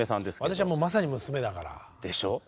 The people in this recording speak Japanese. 私はもうまさに娘だから。でしょ？